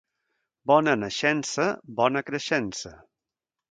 Bona naixença, bona creixença.